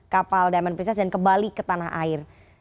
kapal diamond princess dan kembali ke tanah air